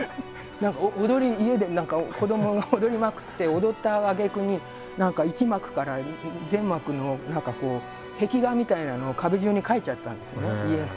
何か踊り家で何か子どもが踊りまくって踊ったあげくに何か１幕から全幕の何かこう壁画みたいなのを壁じゅうに描いちゃったんですね家の。